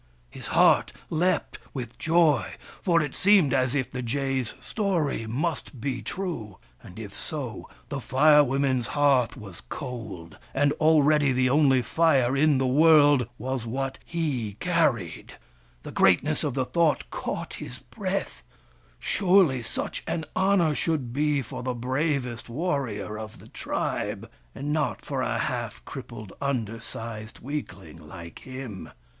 His heart leapt with joy, for it seemed as if the jays' story must be true ; and if so, the Fire Women's hearth was cold, and already the only Fire in the world was what he carried. The greatness of the thought caught his breath — surely such an honour should be for the bravest warrior of the tribe, and not for a half crippled, undersized weakling like him.